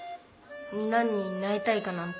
何になりたいかなんて。